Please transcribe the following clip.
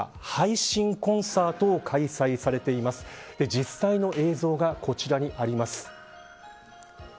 実際の映像がこちらにあります。